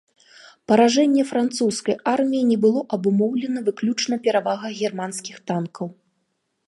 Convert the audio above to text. Паражэнне французскай арміі не было абумоўлена выключна перавагай германскіх танкаў.